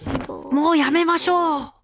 もうやめましょう！